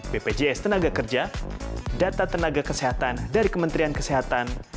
bpjs tenaga kerja data tenaga kesehatan dari kementerian kesehatan